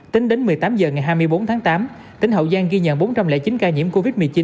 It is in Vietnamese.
tính đến một mươi tám h ngày hai mươi bốn tháng tám tỉnh hậu giang ghi nhận bốn trăm linh chín ca nhiễm covid một mươi chín